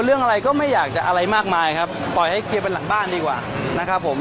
เรื่องอะไรก็ไม่อยากจะอะไรมากมายครับปล่อยให้เคลียร์เป็นหลังบ้านดีกว่านะครับผม